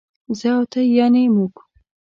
زه او ته يعنې موږ